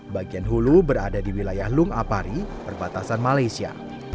bagian hulu berada di wilayah lungapari perbatasan malaysia